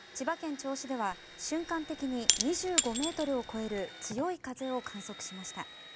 銚子では瞬間的に２５ｍを超える強い風を観測しました。